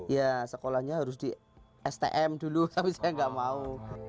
ya sekolahnya harus di stm dulu tapi saya nggak mau